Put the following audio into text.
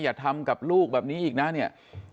อย่าทำกับลูกแบบนี้อีกนะเนี่ย